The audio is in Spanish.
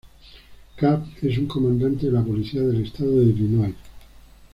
Cab es un comandante de la Policía del Estado de Illinois.